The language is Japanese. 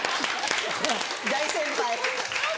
大先輩。